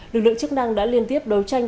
lực lượng chức năng đã liên tiếp đấu tranh